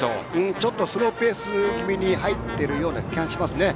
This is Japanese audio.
ちょっとスローペース気味に入っている気がしますね。